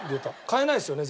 変えないです。